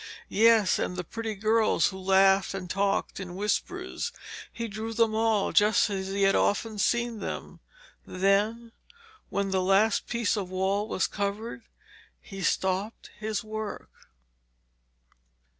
Yes, and the pretty girls who laughed and talked in whispers. He drew them all, just as he had often seen them. Then, when the last piece of wall was covered, he stopped his work.